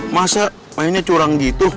masa mainnya curang gitu